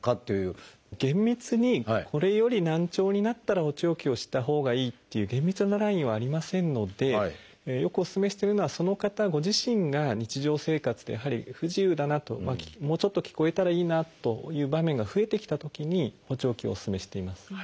厳密にこれより難聴になったら補聴器をしたほうがいいっていう厳密なラインはありませんのでよくおすすめしてるのはその方ご自身が日常生活でやはり不自由だなともうちょっと聞こえたらいいなという場面が増えてきたときに補聴器をおすすめしています。